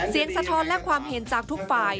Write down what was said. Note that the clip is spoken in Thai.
สะท้อนและความเห็นจากทุกฝ่าย